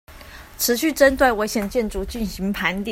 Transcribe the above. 持續針對危險建築進行盤點